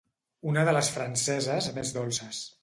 Una de les franceses més dolces.